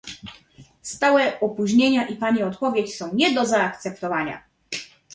Stałe opóźnienia i pani odpowiedź są nie do zaakceptowania